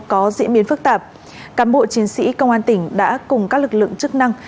có diễn biến phức tạp cán bộ chiến sĩ công an tỉnh đã cùng các lực lượng chức năng